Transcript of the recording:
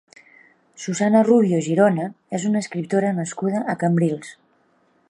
Susana Rubio Girona és una escriptora nascuda a Cambrils.